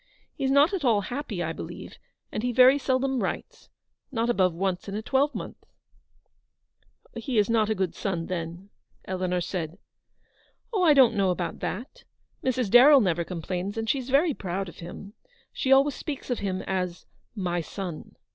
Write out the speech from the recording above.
He's not at all happy, I believe, and he very seldom writes — not above once in a twelvemonth." 266 " He is not a good son, then," Eleanor said. " Oh, I don't know about that ! Mrs. Darrell never complains, and she's very proud of him. She always speaks of him as 'my son.'